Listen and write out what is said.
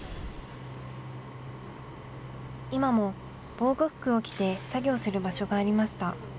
今も防護服を着て作業する場所がありました。